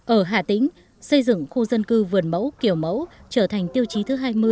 ở hà tĩnh xây dựng khu dân cư vườn mẫu kiểu mẫu trở thành tiêu chí thứ hai mươi